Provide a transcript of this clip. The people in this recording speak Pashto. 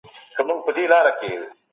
کمپيوټر د سفر ټکټ صحيح کوي.